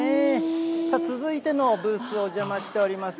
さあ、続いてのブース、お邪魔しております。